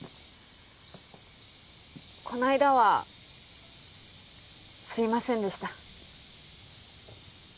こないだはすいませんでした。